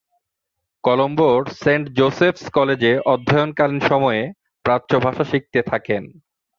কলম্বোর saint Joseph's কলেজে অধ্যয়নকালীন সময়ে প্রাচ্য ভাষা শিখতে থাকেন।